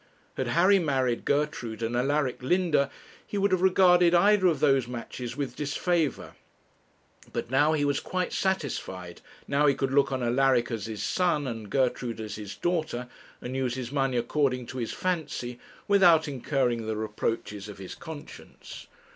Had Harry married Gertrude, and Alaric Linda, he would have regarded either of those matches with disfavour. But now he was quite satisfied now he could look on Alaric as his son and Gertrude as his daughter, and use his money according to his fancy, without incurring the reproaches of his conscience.